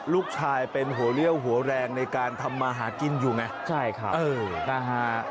ลูกชายเป็นหัวเลี่ยวหัวแรงในการทำมาหากินอยู่ไงใช่ครับเออนะฮะ